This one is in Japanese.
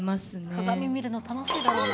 鏡見るの楽しいだろうな。